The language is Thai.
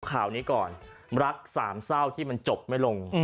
ข่าวนี้ก่อนรักสามเศร้าที่มันจบไม่ลง